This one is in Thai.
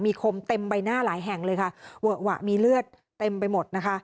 มีคมเต็มใบหน้าหลายแห่งเลยค่ะเวอะหวะมีเลือดเต็มไปหมดนะคะ